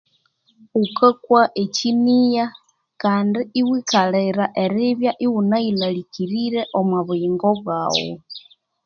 Wukakwa ekyinigha kandi iwikalira eribya iwuna yilhalikirire omwa buyingo bwaghu.